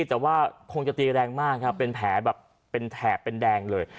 แต่ว่าคงจะตีแรงมากค่ะเป็นแผลแบบเทะเป็นแดงเลย